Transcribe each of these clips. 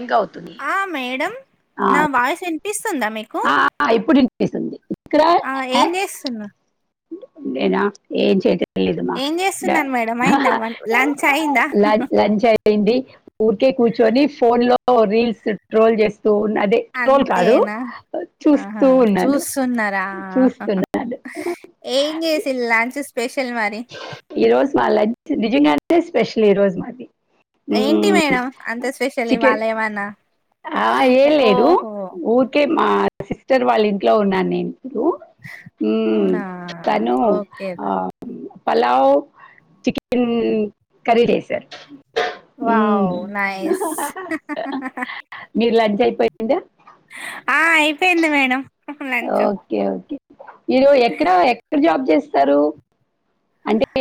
ఇంకా అవుతుంది ఆ మేడం ఆ, నా వాయిస్ వినిపిస్తుందా మీకు ఆ ఇప్పుడు వినిపిస్తుంది ఇక్కడ ఆ ఏం చేస్తున్నా నేనా ఏం చేయ్ లేదు మా ఏం చేస్తున్నాను మేడం అయిందా వన్ లంచ్ అయిందా లంచ్ అయిపోయింది ఊరికే కూర్చొని ఫోన్ లో రీల్స్ ట్రోల్ చేస్త అదే ట్రోల్ కాదు అంతేనా ఆహా చూస్తూ ఉన్నాను చూస్తున్నారా ఆహాహా! చూస్తున్నాను ఏం చేసిర్రు లంచ్ స్పెషల్ మరి ఈ రోజు మా లంచ్ నిజంగానే స్పెషల్ ఈ రోజు మాది ఏంటి మేడం అంతే స్పెషల్ చికెన్ ఇవాళ ఏమన్నా ఏం లేదు ఓహో ఊరికే మా సిస్టర్ వాళ్ళ ఇంట్లో ఉన్నాను నేను ను హ్మ్ అవునా తను ఓకే ఆ పలావ్ చికెన్ కర్రీ చేశారు మ్మ్. వావ్ నైస్ మీ లంచ్ అయిపోయిందా ఆ అయిపోయింది మేడం లంచ్ ఓకే ఓకే మీరు ఎక్కడ ఎక్కడ జాబ్ చేస్తారు అంటే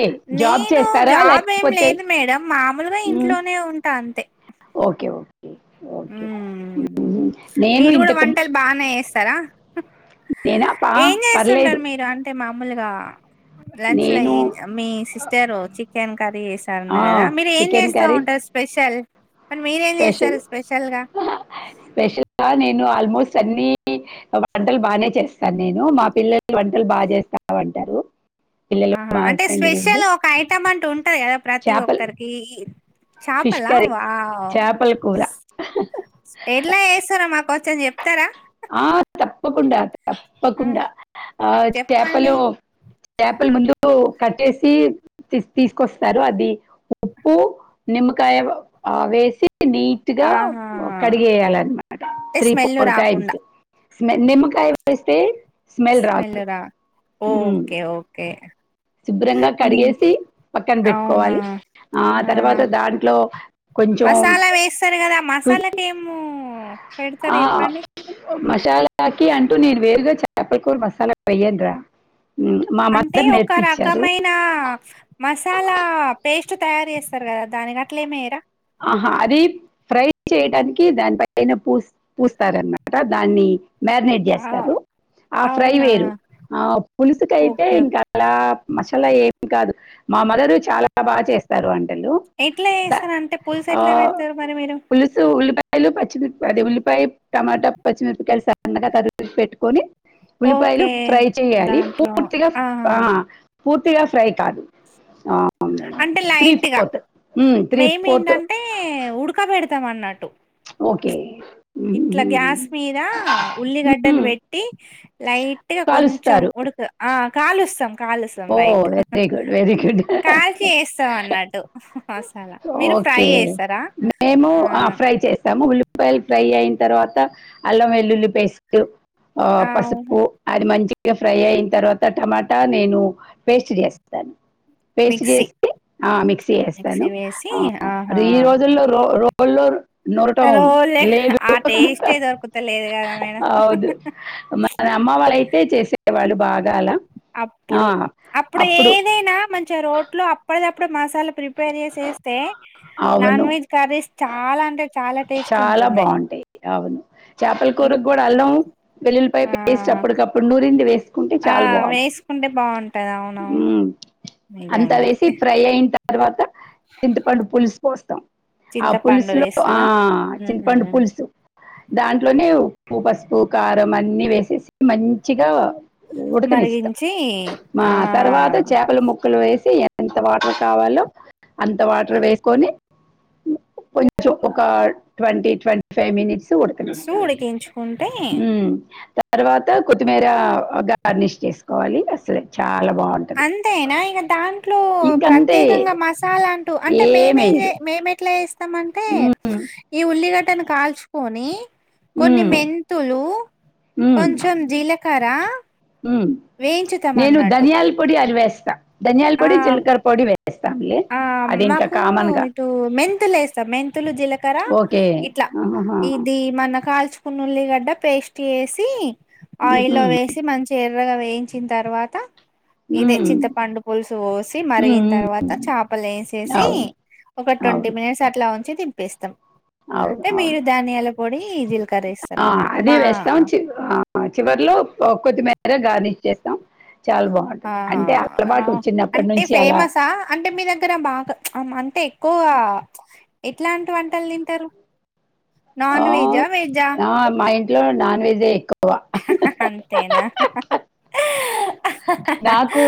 జాబ్ నేను చేస్తారా జాబ్ ఏం లేకపోతే లేదు మేడం మామూలుగా మ్మ్. ఇంట్లోనే ఉంటా అంతే ఓకే ఓకే ఓకే మ్మ్ మ్మ్. నేను మీరు కూడా ఇంతకు వంటలు బానే చేస్తారా నేనా పా ఏం చేస్తుంటారు పర్లేదు మీరు అంటే మామూలుగా లంచ్ లో నేను ఏం మీ సిస్టర్ చికెన్ కర్రీ చేశారు ఆ, అన్నారు కదా మీరు ఏం చికెన్ చేస్తా కర్రీ ఉంటారు స్పెషల్ మీరేం చేస్తారు స్పెషల్ గా స్పెషల్ ఆ నేను ఆల్మోస్ట్ అన్ని వంటలు బానే చేస్తాను నేను మా పిల్లలు వంటలు బాగా చేస్తావూ అంటారు ఆహా అంటే స్పెషల్ ఒక ఐటమ్ అంటూ ఉంటుంది కదా ప్రతి చేపలు ఒక్కరికి ఫిష్ చాపలా కర్రీ వావ్ చేపల కూర ఎట్లా చేస్తారో మా చం చెప్తారా ఆ తప్పకుండా ఆ, తప్పకుండా ఆ చెప్పండి చేపలు చేపల ముందు కట్టేసి తీసుకొస్తారు అది ఉప్పు నిమ్మకాయ వేసి నీట్గా ఆహా కడిగేయాలన్నమాట అంటే త్రీ స్మెల్ ఫోర్ టైమ్స్ రాకుండా స్మెల్ నిమ్మకాయ వేస్తే స్మెల్ రా మ్మ్. ఓకే ఓకే శుభ్రంగా హ్మ్ కడిగేసి పక్కన అవునా పెట్టుకోవాలి ఆ తర్వాత దాంట్లో కొంచెం మసాలా వేస్తారు కదా మసాలాకి ఏమో పెడతారు చెప్పండి ఓ మష్ చాలా కి అంటూ నేను వేరుగా చేపకూర మసాలా వెయను రా ఉ మా అంటే మదర్ ఒక నర్పి రకమైన మసాలా పేస్ట్ తయారు చేస్తారు కదా దాని గట్లే ఏమేయరా ఆహా అది ఫ్రై చేయడానికి దానిపైనా పూ పూస్తారనమాట దాన్ని మ్యాగ్నేట్ ఆ! చేస్తారు ఆ ఫ్రై అవునా? వేరు ఆ పులుసుకయితే ఓకే. ఓకే. ఇంకా అలా మసాలా ఏమి కాదు మా మాదరు చాలా బాగా చేస్తారు అండి. ఎట్లా చేస్తారు అంటే పుల్సు ఎట్లా పెడతారు మరి మీరు పులుసు ఉల్లిపాయలు పచ్చిమిరపపా అది ఉల్లిపాయ, టమాటా పచ్చిమిరపకాయలు సన్నగా తరిమి పెట్టుకొని. ఉల్లిపాయలు ఓకే. ఫ్రై చేయాలి దాంట్లో పూర్తిగా ఆహా! ఆ పూర్తిగా ఫ్రై కాదు ఆ త్రీ ఫోర్త్ త్రీ ఫోర్త్ ఏంటంటే ఉడక పెడతాం అన్నట్టు ఓకే ఇట్లా గ్యాస్ మీద ఉల్లిగడ్డను ఉమ్ పెట్టి లైట్గా కొంచెం కాలుస్తారు ఉడుక ఆ కాలుస్తాం కాలుస్తాం oh right very good very good కాల్ చేస్తాం అన్నట్టు మసాలా మీరు ఫ్రై ఓకే. చేస్తారా మేము ఆ ఫ్రై చేస్తాము ఉల్లి ఉల్పయాలు ఫ్రై అయిన తర్వాత అల్లం వెల్లుల్లి పేస్ట్ ఆ పసుపు అది మంచిగా ఫ్రై అయిన తర్వాత టమాటా నేను పేస్ట్ చేస్తాను పేస్ట్ మిక్సీ చేస్తే ఆ మిక్సీ చేస్తాను మిక్సీ వేసి ఆహా ఈ రోజుల్లో రో రో పల్లర్ నూరటం రోలే లేదు ఆ టేస్టే దొరుకుతలేదు కదా మేడం అమ్మ వాళ్ళయితే చేసేవాళ్ళు బాగా అలా ఆ! అప్పుడు అప్పుడు ఏదైనా మ మంచి రోట్లో అప్పడదప్పుడు మసాలా ప్రిపేర్ చేసేస్తే నాన్ అవును. వెజ్ కర్రీస్ చాలా అంటే చాలా టేస్ట్ చాలా ఉంటుండే బాగుంటాయి ఆవును చేపల ఇప్ కూరకు కూడా అల్లం, వెల్లుల్లిపాయ ఆ పేస్ట్ అప్పటికప్పుడు నూరింది వేస్ ఆ వేసుకుంటే బాగుం ఊ అంతా వేసి ఫ్రై అయిన తర్వాత చింతపండు పులుసు పోస్తాం ఆ చింతపండు పులుసులో ఆ వేస్తారా ఉహు చింతపండు పులుసు దాంట్లోనే ఉప్పు పసుపు కారం అన్ని వేసేసి మంచిగా ఉడకనిస్తాం మరిగించి మా ఆ తర్వాత చేపల ముక్కలు వేసి ఎంత వాటర్ కావాలో అంత వాటర్ వేసుకొని కొ ఒక ట్వంటీ ట్వంటీ ఫైవ్ మినిట్స్ ఊ సూడికించుకుంటే తర్వాత కొత్తిమీర గార్నిష్ చేసుకోవాలి అసలు చాలా బాగుంటది అంతేనా ఇక దాంట్లో ఇంకంతే ప్రత్యేకంగా మసాలా అంటూ అంటే మేమేమ్ ఏమేయదు మేము ఎట్లాస్ స్త అంటే ఉమ్, ఈ ఉల్లిగడ్డను కాల్చుకొని కొన్ని ఉమ్, మెంతులు కొంచెం జీలకర్ర ము వేయించుతాం నేను అన్నట్టు ధనియాల పొడి అదివేస్ ఆ ఆ అది ఇంకా మాకు కామన్ గా ఇటు మెంతల్ వేస్తాం మెంతులు జీలకర ఓకే ఇట్లా ఆహాహా. ఇది మన చిన్న ఉల్లిడ్డ పేస్ట్ చేసి ఆయిల్లో ఉహుం, వేసి మంచిగా దొరగా వేయించిన తర్వాత ఇదె ఉమ్, చింతపండు చూసి ఉమ్, మరిగిన్ ఉమ్. తరువాత చాపలు వేసేసి అవును ఒక ట్వంటి అవును మినట్స్ అట్ల లాంచి తింపేస్తాం అవును అంటే అవును మీరు ధనియాల పొడి జీలకర ఏస్తారు ఆ, అన్నట్టు మా లో కొద్దిమేర గార్నిష్ చేత్తాం. ఆహా ఆ చిన్నప్పటి అంటే నుంచి అలా ఫేమస్ ఆ అంటే మీ దగ్గర బాగా అంటే ఎక్కువ క్కువ ఎట్లాంటి వంటలు తింటరు. నాన్ వెజ్ వెజా లో నాన్ వెజ్ ఏ ఎక్కు అంతేనా నాకు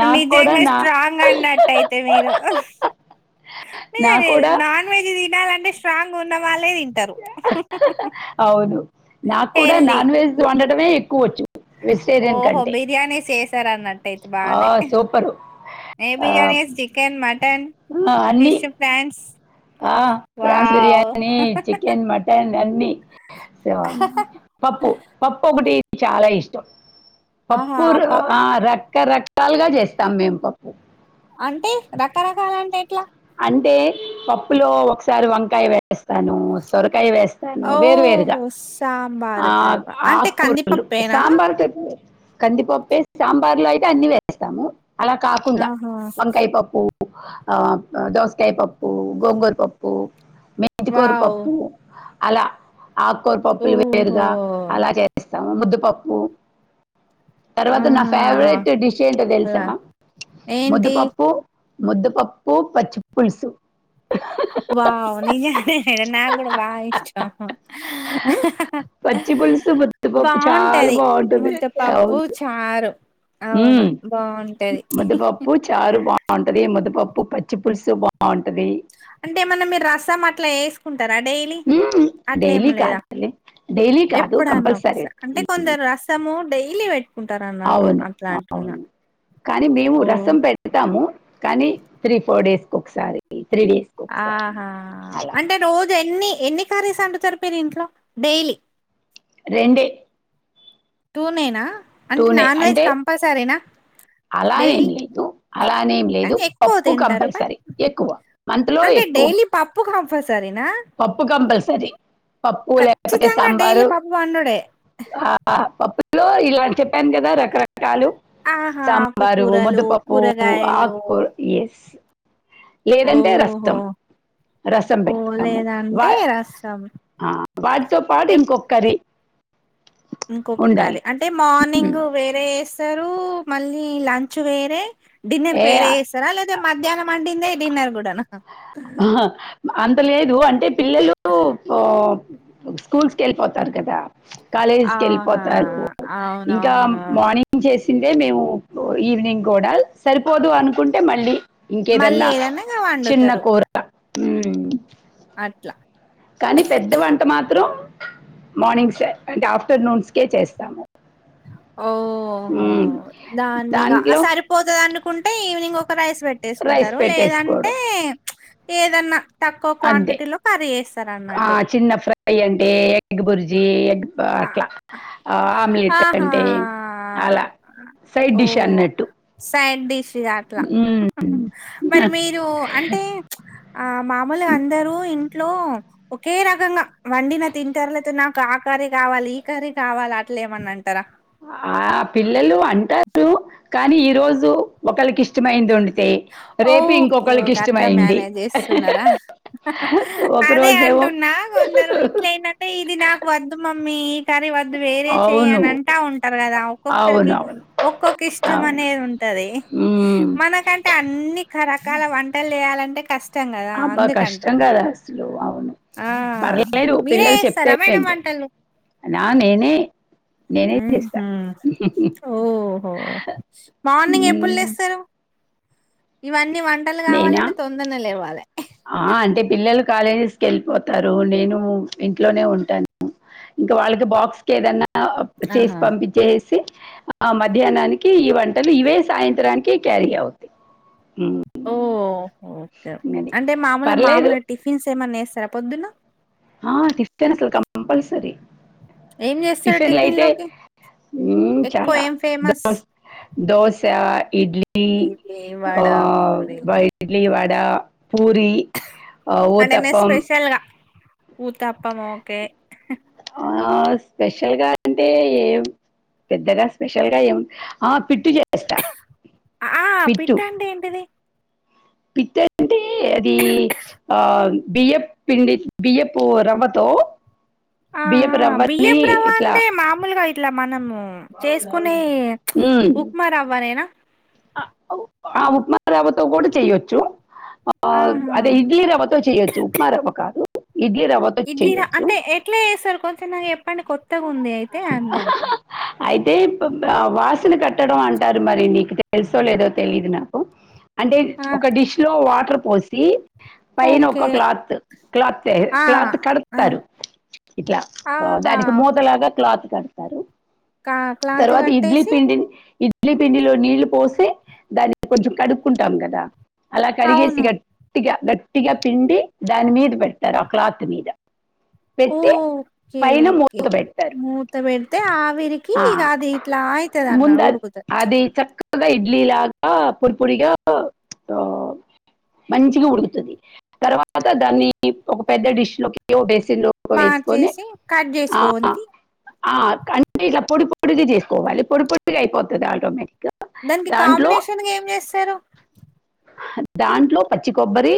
నాకు నిజే కూడా గా నా స్ట్రాంగ్ అన్నట్టయితే మీరు నాకు నేనే కూడా నాన్ వెజ్ తినాలంటే స్ట్రాంగ్ ఉన్న వాళ్ళే తింటరు నాక్కూడా నాన్ వెజ్ వండడమే ఎక్కువచ్చు ఓహో బిర్యానీ సేసారు అన్నట్టయితే బానే సూపర్ ఏ బిర్యానీ, చికెన్, మటన్, ఫిష్ ఫైన్స్ ఆ ప్రాన్స్ బిర్యాణి చికెన్ మటన్ అన్ని సవా పప్పు పప్పు ఒకటి చాలా ఇష్టం ఆహా పప్పు పప్ రకరకాలుగా చేస్తాం. మేము పప్పు అంటే రకరకాల అంటే ఎట్లా అంటే పప్పులో ఒకసారి వంకాయ వే వేస్తాను సొరకాయ వేస్తాను వేరువేరుగా ఓహో సాంబార్ ఆ టైపా అంటే ఆకూరలు కందిపప్పేనా సాంబార్ చె కందిపప్పు ఏ సాంబార్ లో అయితే అన్ని వేస్తాము. అలా కాకుండా ఆహా వంకాయ పప్పు ఆ దోసకాయ పప్పు, గోంగూరు పప్పు. మెంతికూర వావ్ పప్పు అలా ఆకూర పప్పులు ఓహో వేరుగా అలా చేస్తాము. ముద్దుపప్పు తర్వాత నా ఆహా ఫేవరెట్ డిష్ ఏంటో తెలుసా. అలా ఏంటి ముద్దపప్పు ముద్దపప్పు పచ్చి పులుసు వావ్ నిజంగా నా కూడా బా ఇష్టం పచ్చి పులిసు ముద్ధపప్పు చాలా బాగుంటది బాగుంటుంది. ముద్దపప్పు అవును చారు ఊ అవును బాగుంటది ముద్ద పప్పు చారు బాగుంటది. దే ముద్దపప్పు పచ్చిపుులుసు బాగుంటది. అంటే ఏమన్నా మీరు రసం అట్ల వేసుకుం టరా డైలీ మ్మ్. అట్ల ఏం డైలీ లేదా కాదు డైలీ కాదు ఎప్పుడన్నావ్ స కంపల్సరీ అంటే కొందరు సము డెైలీ పె అవును అవును కానీ మేము ఓ రసం పెడతాము. కానీ త్రీ ఫోర్ డేస్ కు ఒకసారి త్రీ డేస్కి ఒకసారి ఆహా అలా అంటే రోజు ఎన్ని ఎన్ని సరే సందు చాట్ పెరి ఇంట్లో డైలీ రెండె టూనేనా అంటే నాన్ వెజ్ అంటే కంపల్సరీనా? అలానేం డైలీ లేదు అలానేం లేదు కానీ ఎక్కువ పప్పు తింటారు బట్ కంపల్సరీ ఎక్కువ. మంత్లో అంటే ఎక్కువ డైలీ పప్పు కంపల్సరినా సరి పప్పు లేకపోతే సాంబారు డైలీ పప్పు వండుడే ఆప్పు లో ఇలా చెప్పాను కదా రకరక కాలు ఆహా సాంబారు ఆకుకూరలు ముద్దపప్పు కూరగాయలు ఆకు ఎస్ లేదంటే ఓహో రస్తం. రసం ఓ పెడతాము వా లేదంటే రసం ఆ వాటితో పాటు ఇంకొకటి ఇంకొకసారి అంటే ఉమ్. మార్నింగ్ వేరే ఇస్ సారు మళ్ళీ లంచ్ వేరే డిన్నర్ కి వేరే ఏ యిస్తారా లేదా మధ్యాహ్నం వండిందే డిన్నర్ కూడాన అహ అంత లేదు అంటే పిల్లలు స్కూల్స్ కి వెళ్ళిపోతారు కదా కాలేజ్ కి ఆహా వెళ్ళిపోతారు ఇంకా అవునవును మార్నింగ్ చేసి వచ్చిందే మేము ఈవినింగ్ కూడా, సరిపోదు అనుకుంటే మళ్ళీ మళ్ళీ ఇంకేదన్నా ఏదన్నా ఇగ చిన్న వండుతారు కూర ఉమ్ అట్లా కానీ పెద్ద వంట మాత్రం మార్నింగ్స్ అంటే ఆఫ్టర్నూన్స్కే చేస్తాము. ఓహో ఉమ్, దాన్నిగ, దాంట్లో సరిపోతదనుకుంటే ఈవినింగ్ ఒ ఒక రైస్ రైస్ పెట్టేసుకుంటరు లేదంటే, పెట్టేసుకోవడం ప్చ్ ఏదన్న తక్కువ అంతే క్వాంటిటీలో కర్రి చేస్తారు అన్నట్టు. అయి అంటే ఎగ్ బుర్జి ఎగ్ ఆ అట్లా ఆ ఆమ్లెట్ ఆహా అంటే అలా సైడ్ ఓ డిష్ అన్నట్టు. సైడ్ డిష్గా అట్లా. మరి మీరు అంటే, ప్చ్ ఆ మామూలుగ అందరూ ఇంట్లో ఒకే రకంగా వండిన తింటరు, లేతే నాకు ఆ కర్రి కావాలి ఈ కర్రి కావాలి అట్లే ఏమన్న అంటరా? ఆ పిల్లలు అంటారు, కానీ ఈ రోజు ఒకలికి ఇష్ ఇష్టమైంది వండితే రేపు ఓకే. ఇంకొకళ్ళకి ఓకే. అట్లా ఇష్టమైంది. మేనేజ్ జేస్తున్నారా? ఒక అదే రోజేమో అంటున్నా, కొందరు ఇంట్లయినంటే ఇది నాకు వద్దు మమ్మీ. టరి వద్దు వేరే అవును చేయని అంటా ఉంటారు కదా, అవును ఒక్కొక్కరికి అవును ఒక్కొక్క ఇష్టం అవును అనేది ఉంటది టది, ఉమ్ మనకంటే అన్ని క రకాల వంటలు చేయాలంటే కష్ అబ్బా కష్టం కదా అసలు అవును. ఆ! పర్లేలేదు మీరే పిల్లలు చెప్తే జేస్తారా మేడం ఏంట వంటలు? నా నేనే నేనే చేస్తా, హుహు. ఓహో! మార్నింగ్ ఎప్పుడు ఉమ్ లేస్తారు? ఇవన్నీ వంటలు నేనా కావాలంటే తొందరనే లేవాలె. ఆ అంటే పిల్లలు కాలేజెస్కి వెళ్ళిపోతారు, నేను ఇంట్లోనే ఉంటాను ఇంకా వాళ్ళకి బాక్స్ కే దన్నా చేసి ఆహా! పంపించేసి. ఆ మధ్యాహ్నానికి ఈ వంటలు ఇవే సాయంత్రానికి క్యారీ అవుతా ఉమ్ ఓహ్! ఓకే ఓకే, అంటే మామూలు పర్లేదు మామూలుగ టిఫిన్స్ ఏమన్నా ఏస్తరా పొద్దున్న? అ టిఫిన్ కంపల్సరి ఏం చేస్తరు టిఫిన్ లోకి, ఎక్కువ ఏం ఫేమస్? దోస, ఇడ్లీ ఇడ్లీ, వడ, పూరి ఆ ఇడ్లీ వడా పూరి ఆ అంటే నేను ఊతప్పం. స్పెషల్‌గా ఊతప్పం ఒకే ఆ స్పెషల్ గా అంటే ఏం పెద్దగా స్పెషల్ గా ఏం, ఆ పిట్టు చె ఆ పిట్టంటే ఏంటిది? పిట్టు అంటే అది ఆ బియ్య పిండి ఆ బియ్యపు రవ్వతో ఆ బియ్యపు ఆ రవ్వని బియ్యపూ రవ్వ ఇట్లా అంటే మామూలుగా ఇట్లా మనము ఉమ్ చేసుకునే ప్చ్ ఉమ్ ఉప్మా రవ్వనేన? ఆ ఉప్మా రవ్వ తో కూడా చేయొచ్చు. ఆ ఆహా! అదే ఇడ్లీ రవ్వతో చెయొచ్చు, ఉప్మా రవ్వ కాదు. ఇడ్లీ రవ్వతో ఇడ్లీ ర చేయొచ్చు అంటే ఎట్ల చేస్తారు కొంచెం నాకు చెప్పండి కొత్తగా ఉంది అయితే, అంది అంటుం అయితే వాసన కట్టడం అంటారు మరి, నీకు తెలుసో లేదో తెలిదు నాకు. అంటే ఆ! ఒక డిష్ లో వాటర్ పోసి పైన ఒక ఓకే. క్లాత్, క్లాత్ తే ఆ! క్లాత్ ఆ! కడతారు. ఇట్లా ఆ దానికి ఆహా! మూతలాగా క్లాత్ కడతారు. కా క్లాత్ తర్వాత ఇడ్లీ కట్టేసి పిండిని ఇ పఇడ్లీ పండిలో నీళ్లు పోసి, దాన్ని కొంచం కడుక్కుంటాం కదా. అలా కడిగేసి అవును గట్టిగా, గట్టిగా పిండి దానిమీద పెడతారు, ఆ క్లాత్ మీద పెట్టి ఓకే పైన మూ ఓకే మూత పెడితే ఆవిరికి ఇది ఆ అది ఇట్లా ముందు అవుతదిన్నాడు, అద్- ఉడుకుత ప్చ్ అది చక్కగా ఇడ్లీ లాగా పొడి పొడిగా మంచిగా ఉడుకుతుది తర్వాత దాన్ని ఒక పెద్ద డిష్ లోకి బేసిన్ లోకి వేసుకొని మార్చేసి కట్ ఆ, చేసుకోవడి ఆ అంటే ఇట్లా పొడి పొడిగి చేసుకోవాలి పొడి పొడిగు అయిపోతుంది ఆటోమేటిక్గా దానికి కాంబినేషన్ గా ఏం చేస్తారు దాంట్లో పచ్చి కొబ్బరి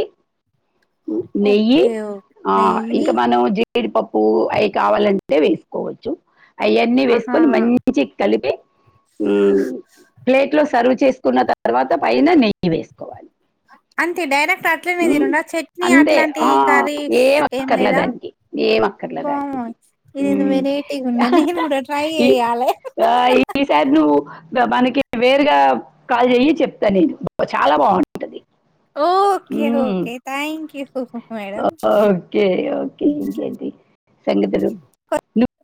నెయ్యి ఓకే ఓకే ఆ నెయ్యి ఇంకా మనం జీడిపప్పు అవి కావాలంటే అంటే వేసుకోవచ్చు అవన్నీ ఆహా వేసుకొని మంచి కలిపి హమ్ ప్లేట్ లో సర్వ్ చేసుకున్న తర్వాత పైన నెయ్యి వేసుకోవాలి అంతే డైరెక్ట్ అట్లనే ఉమ్, తినుడా చట్నీ అంతే అట్లాంటి ఆ, కర్రీస్ ఏం అక్కర్లే లేదా దానికి ఏం అక్కర్లే బా దానికి ఇదిదో ఉమ్, వెరైటీగా ఉందే నేను కూడా ట్రై ఈ- చెయ్యాలి ఆ ఈ సారి నువ్వు మనకి వేరుగా కాల్ చెయ్యి చెప్తాను చాలా బాగుంటది ఓకే ఉమ్, okay thank you madam okay okay ఇంకేంటి సంగతులు నువ్వు